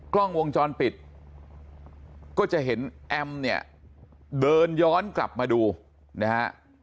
กล้องวงจรปิดก็จะเห็นแอมเนี่ยเดินย้อนกลับมาดูนะฮะ